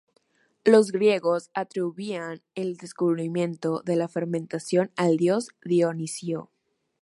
Los griegos atribuían el descubrimiento de la fermentación al dios Dionisio.